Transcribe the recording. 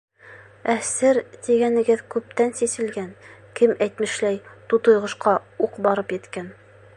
Ә сер тигәнегеҙ күптән сиселгән, кем әйтмешләй, тутыйғошҡа уҡ барып еткән.